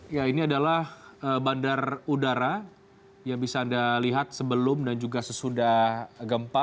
ya ini adalah bandar udara yang bisa anda lihat sebelum dan juga sesudah gempa